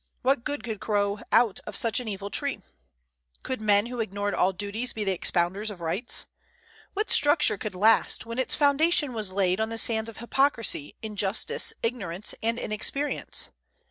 What good could grow out of such an evil tree? Could men who ignored all duties be the expounders of rights? What structure could last, when its foundation was laid on the sands of hypocrisy, injustice, ignorance, and inexperience?